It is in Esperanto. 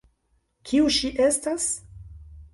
Kiu ŝi estas?